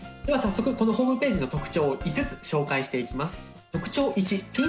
では早速このホームページの特徴を５つ紹介していきます。